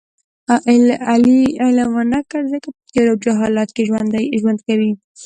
علي علم و نه کړ ځکه په تیارو او جهالت کې ژوند کوي.